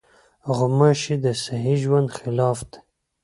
غوماشې د صحي ژوند خلاف دي.